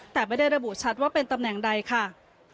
แต่ไม่ได้ระบุชัดว่าเป็นตำแหน่งใดค่ะ